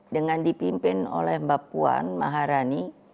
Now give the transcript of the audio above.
dengan dipimpin oleh mbak puan maharani